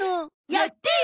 やってよ。